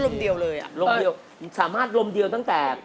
เดียวเลยอ่ะลมเดียวสามารถลมเดียวตั้งแต่